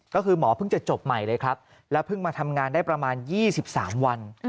ก็คือหมอเพิ่งจะจบใหม่เลยครับแล้วเพิ่งมาทำงานได้ประมาณ๒๓วัน